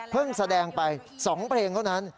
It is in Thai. เพิ่งแสดงไปสองเพลงเท่านั้น